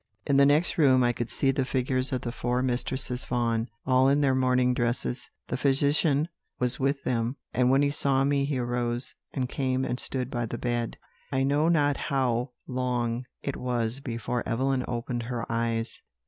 "In the next room I could see the figures of the four Mistresses Vaughan, all in their morning dresses. The physician was with them; and when he saw me he arose, and came and stood by the bed. "I know not how long it was before Evelyn opened her eyes.